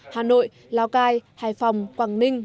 hà nội lào cai hải phòng quảng ninh